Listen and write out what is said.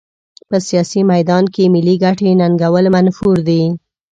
په سیاسي میدان کې ملي ګټې ننګول منفور دي.